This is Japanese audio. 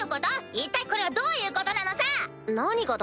一体これはどういうことなのさ⁉何がだよ？